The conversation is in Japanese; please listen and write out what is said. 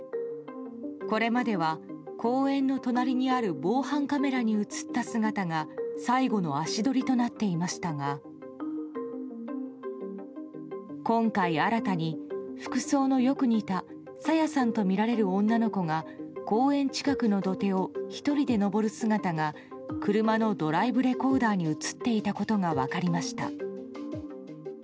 これまでは公園の隣ある防犯カメラに映った姿が最後の足取りとなっていましたが今回、新たに服装のよく似た朝芽さんとみられる女の子が公園近くの土手を１人で上る姿が車のドライブレコーダーに映っていたことが分かりました。